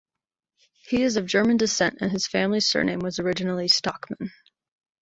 He is of German descent, and his family's surname was originally "Stockmann".